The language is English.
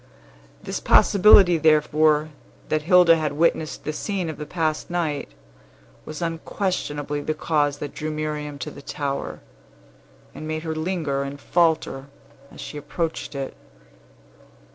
This possibility, therefore, that Hilda had witnessed the scene of the past night, was unquestionably the cause that drew Miriam to the tower, and made her linger and falter as she approached it.